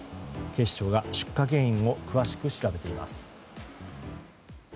警視庁が出火原因を詳しく調べています。